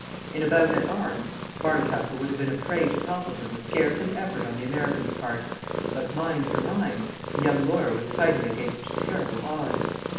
In a bout at arms Barncastle would have been a prey to Toppleton with scarce an effort on the American's part, but mind for mind, the young lawyer was fighting against terrible odds.